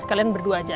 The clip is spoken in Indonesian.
kalian berdua aja